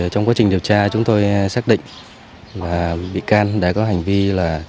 trong quá trình điều tra chúng tôi xác định là bị can đã có hành vi là